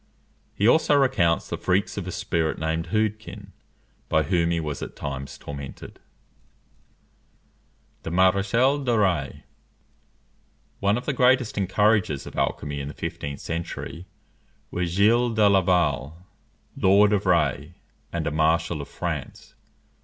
He also recounts the freaks of a spirit named Hudekin, by whom he was at times tormented. Biographie Universelle. THE MARECHAL DE RAYS. One of the greatest encouragers of alchymy in the fifteenth century was Gilles de Laval, Lord of Rays and a Marshal of France.